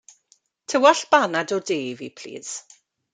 Tywallt banad o de i fi plis.